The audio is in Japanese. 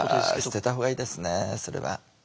あ捨てたほうがいいですねそれは。